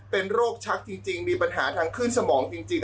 เป็นโรคชักจริงมีปัญหาทางขึ้นสมองจริง